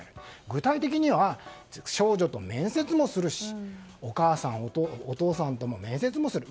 具体的には少女と面接もするしお母さん、お父さんとも面接をする。